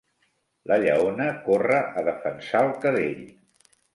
La lleona corre a defensar el cadell.